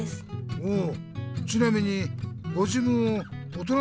おお。